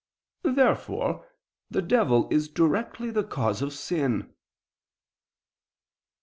Therefore the devil is directly the cause of sin.